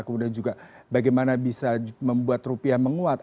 kemudian juga bagaimana bisa membuat rupiah menguat